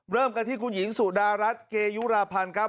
เริ่มกันที่คุณหญิงสุดารัฐเกยุราพันธ์ครับ